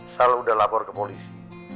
salah udah lapor ke polisi